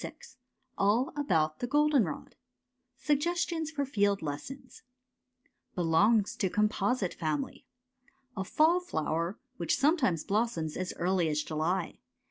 i i ALL ABOUT THE GOLDENROD SUGGESTIONS FOR FIELD LESSONS Belongs to composite family. A fall flower, which sometimes blossoms as early as July.